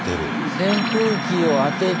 扇風機を当てて。